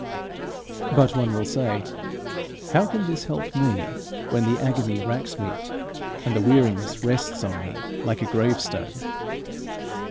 But one will say How can this help me when the agony racks me, and the weariness rests on me like a gravestone?